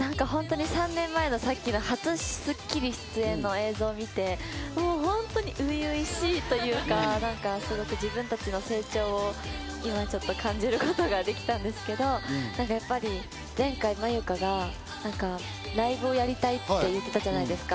３年前のさっきの初『スッキリ』出演の映像を見て、もう本当に初々しいというか、自分たちの成長を感じることができたんですけど、やっぱり前回、ＭＡＹＵＫＡがライブをやりたいって言ったじゃないですか。